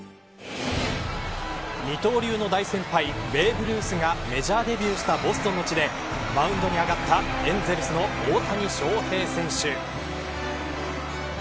二刀流の大先輩ベーブ・ルースがメジャーデビューしたボストンの地でマウンドに上がったエンゼルスの大谷翔平選手。